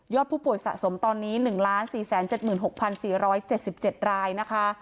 ผู้ป่วยสะสมตอนนี้๑๔๗๖๔๗๗รายนะคะ